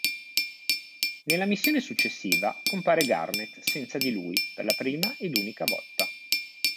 Nella missione successiva compare Garnett senza di lui per la prima ed unica volta.